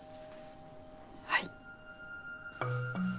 はい。